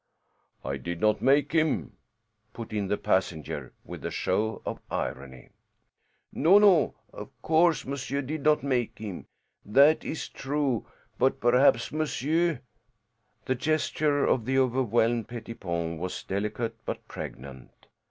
"I did not make him," put in the passenger, with a show of irony. "No, no! Of course monsieur did not make him. That is true. But perhaps monsieur " The gesture of the overwhelmed Pettipon was delicate but pregnant.